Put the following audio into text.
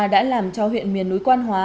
đã làm cho huyện miền núi quan hóa